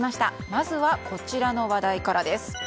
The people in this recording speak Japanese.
まずはこちらの話題からです。